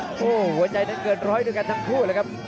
โอ้โหหัวใจนั้นเกินร้อยด้วยกันทั้งคู่เลยครับ